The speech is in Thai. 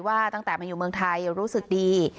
ว่าตั้งแต่มาอยู่เมืองไทยรู้สึกดี